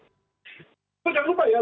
tapi jangan lupa ya